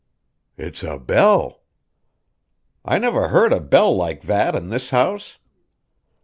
"It's a bell." "I never heard a bell like that in this house."